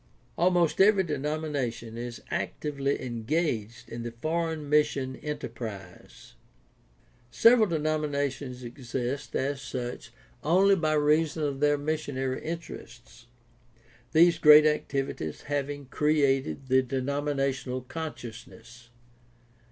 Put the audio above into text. — Almost every de nomination is actively engaged in the foreign mission enter prise. Several denominations exist as such only by reason of their missionary interests, these great activities having created the denominational consciousness.